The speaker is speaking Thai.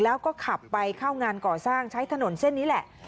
แล้วก็ขับไปเข้างานก่อสร้างใช้ถนนเส้นนี้แหละ